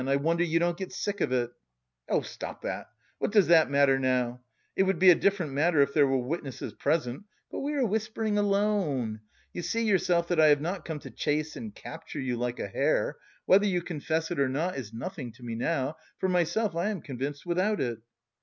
I wonder you don't get sick of it!" "Oh, stop that, what does that matter now? It would be a different matter if there were witnesses present, but we are whispering alone. You see yourself that I have not come to chase and capture you like a hare. Whether you confess it or not is nothing to me now; for myself, I am convinced without it."